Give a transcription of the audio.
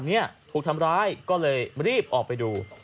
เนี่ยถูกทำร้ายก็เลยรีบออกไปดู